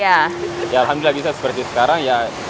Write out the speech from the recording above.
alhamdulillah bisa seperti sekarang